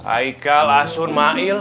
aikal asun mail